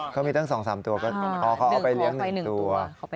เขามีตั้ง๒๓ตัวเขาเอาไปเลี้ยง๑ตัว